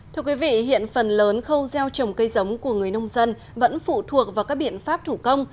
thưa quý vị hiện phần lớn khâu gieo trồng cây giống của người nông dân vẫn phụ thuộc vào các biện pháp thủ công